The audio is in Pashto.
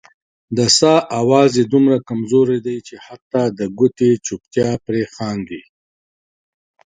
د ساه اواز یې دومره کمزوری دی چې حتا د کوټې چوپتیا پرې خاندي.